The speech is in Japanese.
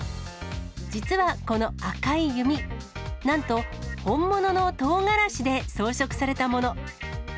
実はこの赤い弓、なんと、本物のとうがらしで装飾されたもの。